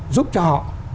giúp cho họ